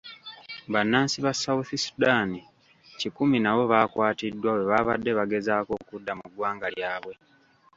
Bannansi ba South Sudan kikumi nabo baakwatiddwa bwe baabadde bagezaako okudda mu ggwanga lyabwe.